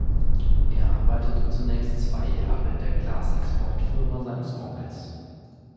Er arbeitete zunächst zwei Jahre in der Glas-Exportfirma seines Onkels.